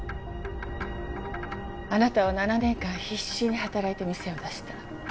あなたは７年間必死に働いて店を出した。